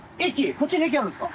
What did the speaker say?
こっちに駅あるんすか？